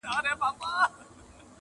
o څه ور پنا، څه غر پنا.